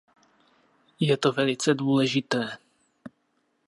Je to velice důležité.